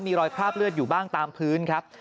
มีรอยคราบเลือดอยู่บ้างตามพื้นครับ